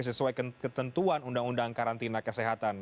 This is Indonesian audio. sesuai ketentuan undang undang karantina kesehatan